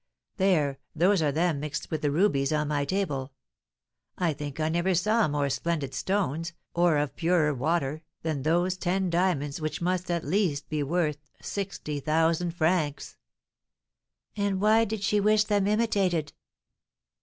There, those are them mixed with the rubies on my table. I think I never saw more splendid stones, or of purer water, than those ten diamonds, which must, at least, be worth 60,000 francs." "And why did she wish them imitated?"